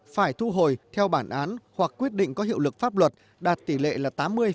phải thu hồi theo bản án hoặc quyết định có hiệu lực pháp luật đạt tỷ lệ là tám mươi